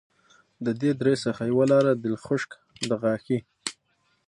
د دې درې څخه یوه لاره دلخشک دغاښي